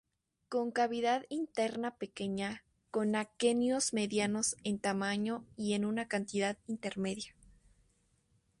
Con cavidad interna pequeña, con aquenios medianos en tamaño y en una cantidad intermedia.